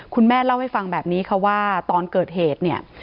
คุณแม่เล่าให้ฟังแบบนี้ค่ะว่าตอนเกิดเหตุเนี่ย